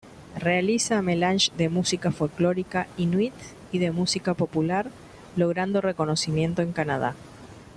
Realiza melange de música folclórica inuit y de música popular logrando reconocimiento en Canadá.